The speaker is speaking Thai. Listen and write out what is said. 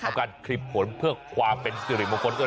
ทำการขลิบผมเพื่อความเป็นกริปมุงคล